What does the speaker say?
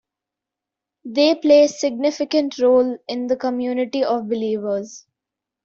They play significant roles in the community of believers.